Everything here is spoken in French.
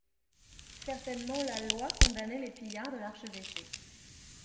Certainement la Loi condamnait les pillards de l'archevêché.